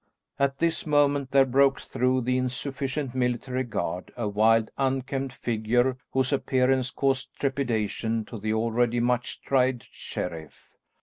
At this moment there broke through the insufficient military guard a wild unkempt figure, whose appearance caused trepidation to the already much tried sheriff.